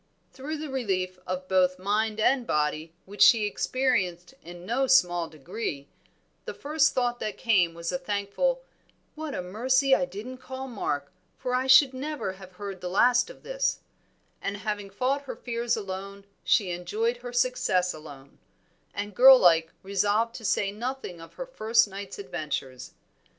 Through the relief of both mind and body which she experienced in no small degree, the first thought that came was a thankful "what a mercy I didn't call Mark, for I should never have heard the last of this;" and having fought her fears alone she enjoyed her success alone, and girl like resolved to say nothing of her first night's adventures.